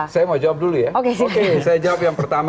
saya mau jawab dulu ya oke saya jawab yang pertama